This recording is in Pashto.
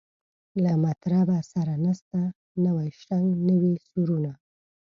له مطربه سره نسته نوی شرنګ نوي سورونه